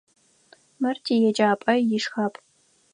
Мыр тиеджапӏэ ишхапӏ.